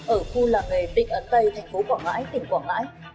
ở khu lạc nghề tịnh ấn tây thành phố quảng ngãi tỉnh quảng ngãi